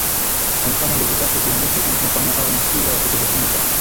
kumfanya ndevu zake zianguke ili kumfanya awe na sura ya kutoheshimika